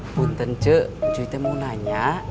benteng cuy cuy mau nanya